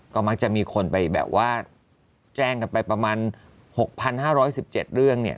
ก็มักจะมีคนไปแบบว่าแจ้งกันไปประมาณ๖๕๑๗เรื่องเนี่ย